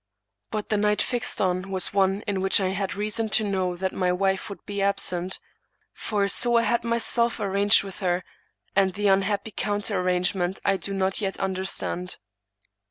But the night fixed on was one in which I had reason to know that my wife would be absent ; for so I had myself arranged with her, and the unhappy counter arrangement I do not yet understand.